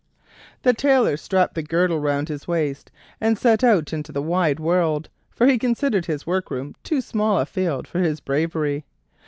The Tailor strapped the girdle round his waist and set out into the wide world, for he considered his workroom too small a field for his bravery.